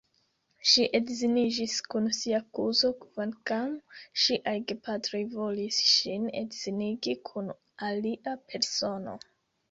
Ŝi edziniĝis kun sia kuzo, kvankam ŝiaj gepatroj volis ŝin edzinigi kun alia persono.